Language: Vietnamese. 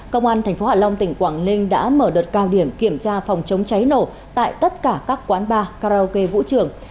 công an tp hạ long tỉnh quảng ninh đã mở đợt cao điểm kiểm tra phòng chống cháy nổ tại tất cả các quán bar karaoke vũ trường